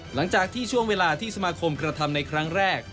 หลังจากที่ช่วงเวลาที่สมาคมกระทำในครั้งแรก